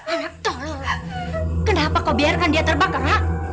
anak tolong kenapa kau biarkan dia terbakar